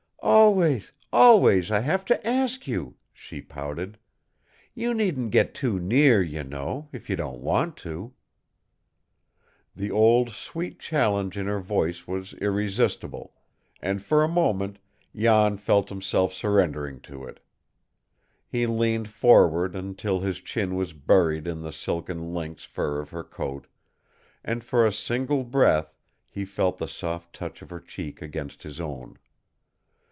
"Always, always, I have to ask you!" she pouted. "You needn't get too near, you know, if you don't want to!" The old, sweet challenge in her voice was irresistible, and for a moment Jan felt himself surrendering to it. He leaned forward until his chin was buried in the silken lynx fur of her coat, and for a single breath he felt the soft touch of her cheek against his own.